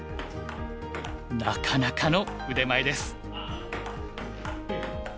なかなかの腕前です。